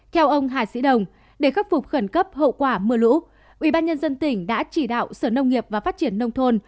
theo ông hà sĩ đồng để khắc phục khẩn cấp hậu quả mưa lũ ubnd tỉnh đã chỉ đạo sở nông nghiệp và phát triển nông thôn